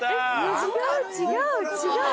違う違う違う。